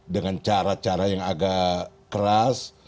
dengan cara cara yang agak keras